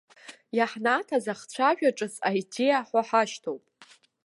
Иаҳнаҭаз ахцәажәа ҿыц аидеиа ҳәа ҳашьҭоуп.